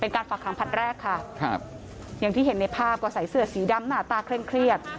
การฝากขังผลัดแรกค่ะครับอย่างที่เห็นในภาพก็ใส่เสื้อสีดำหน้าตาเคร่งเครียด